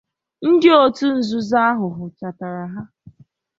ndị òtù nzuzo ahụ hụchatara ha